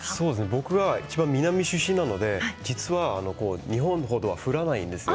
僕はいちばん南出身なので実は日本程、降らないんですよ。